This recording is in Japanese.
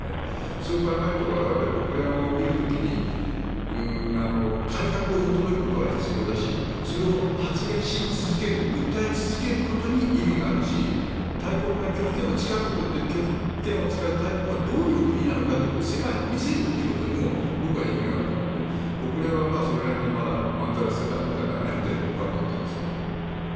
そう考えると我々が拒否権を見る時に改革を求めることは必要だしそれを発言し続ける訴え続けることに意味があるし大国が拒否権を使うことによって拒否権を使う大国がどういう国なのかを世界に見せるということに僕は意味があると思うので国連はそれなりにまだ、まんざら捨てたものじゃないなと思ってるんですけどね。